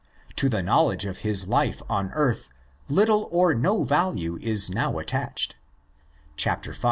To the knowledge of his life on earth little or no value is now attached (v.